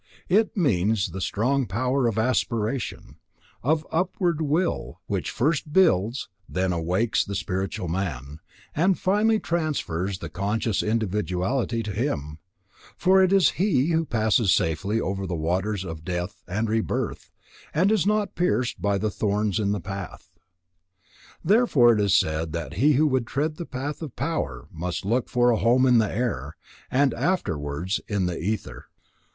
It means the strong power of aspiration, of upward will, which first builds, and then awakes the spiritual man, and finally transfers the conscious individuality to him; for it is he who passes safely over the waters of death and rebirth, and is not pierced by the thorns in the path. Therefore it is said that he who would tread the path of power must look for a home in the air, and afterwards in the ether.